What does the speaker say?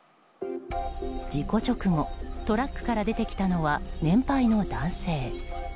事故直後、トラックから出てきたのは年配の男性。